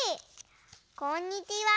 こんにちは。